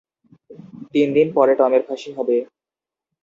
তিন দিন পরে টমের ফাঁসি হবে।